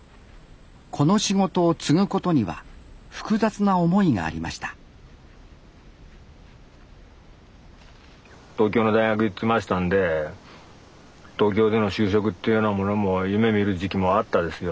この仕事を継ぐことには複雑な思いがありました東京の大学行ってましたんで東京での就職っていうようなものも夢みる時期もあったですよ